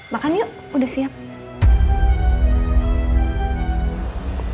makan yuk udah siap